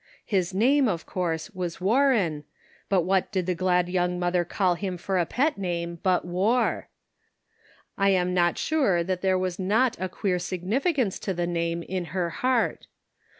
His name, of course, was War ren, but what did the glad young mother call him for a pet name but " War." I am not sure that there was not a queer significance to the name in her heart